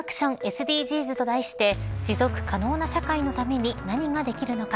ＳＤＧｓと題して持続可能な社会のために何ができるのか。